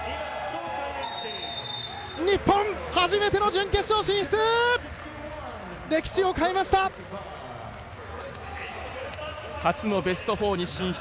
日本初めての準決勝進出！